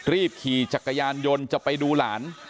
รีบขี่จักรยานยนต์จะไปดูหลาน